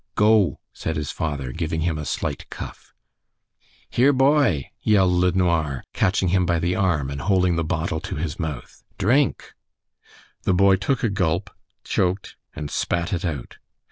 "Go," said his father, giving him a slight cuff. "Here, boy!" yelled LeNoir, catching him by the arm and holding the bottle to his mouth, "drink." The boy took a gulp, choked, and spat it out.